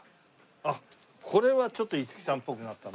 あっこれはちょっと五木さんっぽくなったな。